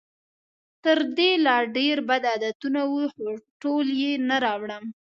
تر دې لا ډېر بد عادتونه وو، خو ټول یې نه راوړم.